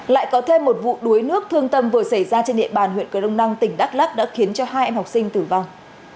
lại có thêm một vụ đuối nước thương tâm vừa xảy ra trên địa bàn huyện cờ rông năng tỉnh đắk lắc đã khiến cho hai em học sinh tử vong